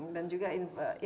dan juga investasi